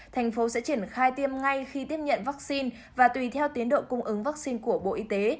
thành phố sẽ triển khai tiêm ngay khi tiếp nhận vaccine và tùy theo tiến độ cung ứng vaccine của bộ y tế